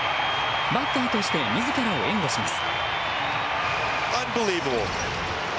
バッターとして自らを援護します。